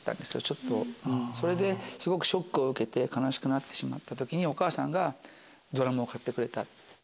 ちょっと、それですごくショックを受けて、悲しくなってしまったときに、お母さんがドラムを買ってくれた。